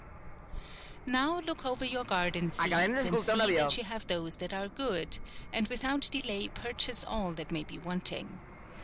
Now look over your garden seeds, and see that you have those that are good, and with out delay purchase all that may be wanting.